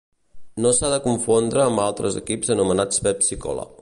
No s'ha de confondre amb altres equips anomenats Pepsi-Cola.